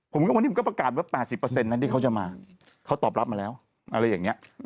วันนี้ผมก็ประกาศว่า๘๐นะที่เขาจะมาเขาตอบรับมาแล้วอะไรอย่างนี้